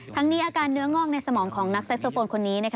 ทั้งนี้อาการเนื้องอกในสมองของนักไซโซโฟนคนนี้